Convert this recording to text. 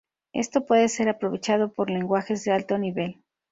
Esto puede ser aprovechado por lenguajes de alto nivel.